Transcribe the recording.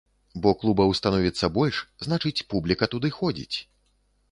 Бо клубаў становіцца больш, значыць публіка туды ходзіць.